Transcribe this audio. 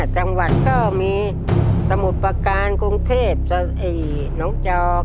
จังหวัดก็มีสมุทรประการกรุงเทพน้องจอก